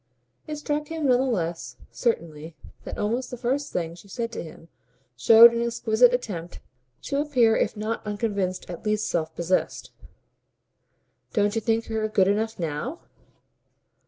It struck him none the less certainly that almost the first thing she said to him showed an exquisite attempt to appear if not unconvinced at least self possessed. "Don't you think her good enough NOW?"